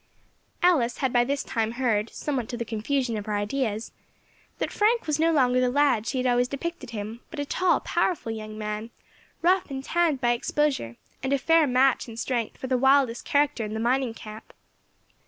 Alice had by this time heard, somewhat to the confusion of her ideas, that Frank was no longer the lad she had always depicted him, but a tall, powerful young man, rough and tanned by exposure, and a fair match in strength for the wildest character in the mining camp.